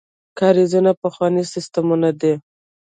کاریزونه پخواني سیستمونه دي.